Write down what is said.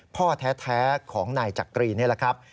พ่อแท้ของนายจักรีนี่แหละครับ